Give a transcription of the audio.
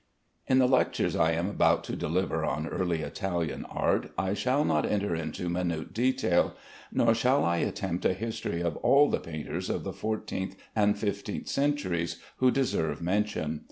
In the lectures I am about to deliver on Early Italian Art, I shall not enter into minute detail, nor shall I attempt a history of all the painters of the fourteenth and fifteenth centuries who deserve mention.